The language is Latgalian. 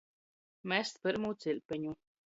Mest pyrmū ciļpeņu.